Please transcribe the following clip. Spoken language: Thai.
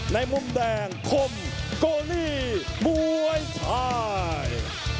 ในมุมแดงคมกโกนี่บวยทาย